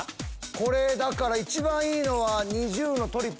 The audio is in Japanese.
これだから一番いいのは。